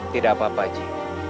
tidak apa apa aji